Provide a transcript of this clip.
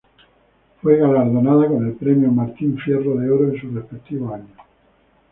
Fue galardonada con el premio Martín Fierro de Oro en su respectivo año.